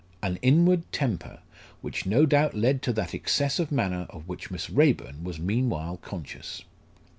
An inward temper, which no doubt led to that excess of manner of which Miss Raeburn was meanwhile conscious.